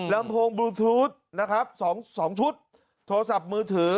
ลำโพงบลูทูธนะครับ๒ชุดโทรศัพท์มือถือ